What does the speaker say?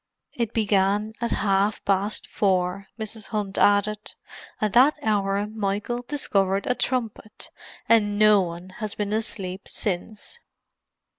"It began at half past four," Mrs. Hunt added. "At that hour Michael discovered a trumpet; and no one has been asleep since."